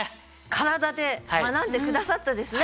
体で学んで下さったですね